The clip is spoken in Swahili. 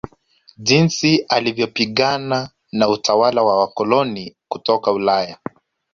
Jinsi alivyopingana na utawala wa waakoloni kutoka Ulaya